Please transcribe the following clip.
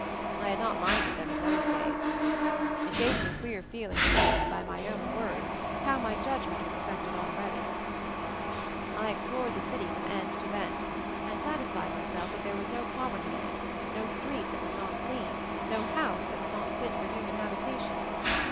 I had not minded them in those days. It gave me a queer feeling to see by my own words how my judgment was affected already. I explored the city from end to end, and satisfied myself that there was no poverty in it, no street that was not clean, no house that MOVING THE MOUNTAIN 271 was not fit for human habitation.